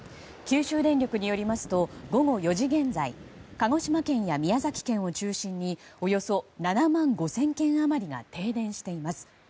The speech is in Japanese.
九州電力によりますと午後４時現在鹿児島県や宮崎県を中心におよそ７万５０００軒余りが停電しています。